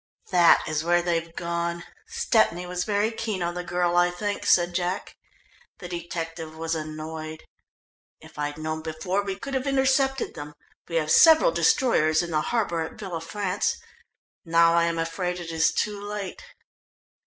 "That is where they've gone. Stepney was very keen on the girl, I think," said Jack. The detective was annoyed. "If I'd known before we could have intercepted them. We have several destroyers in the harbour at Villafrance. Now I am afraid it is too late."